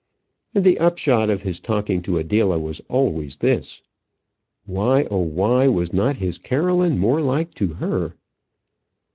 And the upshot of his talking to Adela was always this: "Why, oh why, was not his Caroline more like to her?"